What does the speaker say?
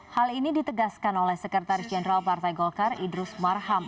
hal ini ditegaskan oleh sekretaris jenderal partai golkar idrus marham